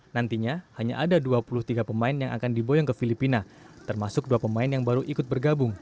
nantinya hanya ada dua puluh tiga pemain yang akan diboyong ke filipina termasuk dua pemain yang baru ikut bergabung